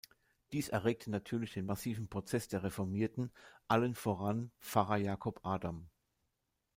Dies erregte natürlich den massiven Protest der Reformierten, allen voran Pfarrer Jakob Adam.